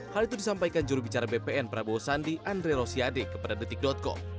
hal itu disampaikan jurubicara bpn prabowo sandi andre rosiade kepada detik com